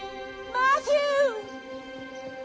マシュー！